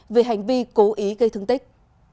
về hành vi cố ý gây thương tích